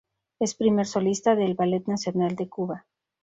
Es primer solista del Ballet Nacional de Cuba.